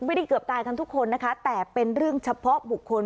ไม่ได้เกือบตายกันทุกคนนะคะแต่เป็นเรื่องเฉพาะบุคคล